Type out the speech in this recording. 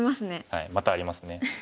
はいまたありますね。